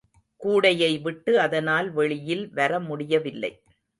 கூடையை விட்டு அதனால் வெளியில் வர முடிய வில்லை.